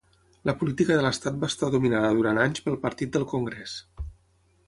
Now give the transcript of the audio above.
La política de l'estat va estar dominada durant anys pel Partit del Congrés.